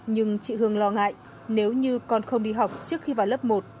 nhưng chị hương lo ngại nếu như con không đi học trước khi vào lớp một